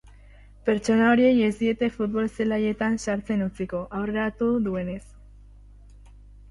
Pertsona horiei ez diete futbol-zelaietan sartzen utziko, aurreratu duenez.